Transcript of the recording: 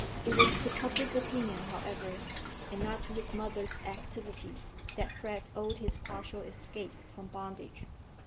It was to public opinion, however and not to his mother's activities, that Fred owed his partial escape from bondage.